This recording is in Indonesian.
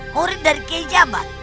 murid dari kejabat